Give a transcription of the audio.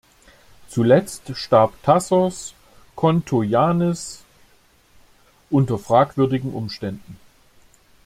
Zuletzt starb Tassos Kontoyiannis unter fragwürdigen Umständen.